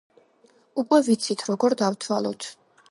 უკვე ვიცით, როგორ დავთვალოთ.